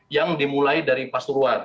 yang dimulai dari pasuruan